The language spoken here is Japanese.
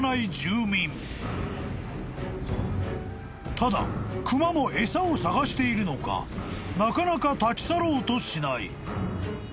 ［ただクマも餌を探しているのかなかなか立ち去ろうとしない］